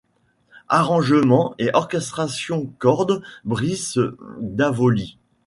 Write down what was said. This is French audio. Arrangements et Orchestrations Cordes: Brice Davoli.